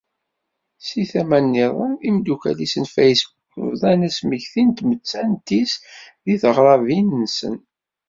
Seg tama-nniḍen, imdukkal-is n Facebook, bḍan asmekti n tmettant-is deg teɣrabin-nsen.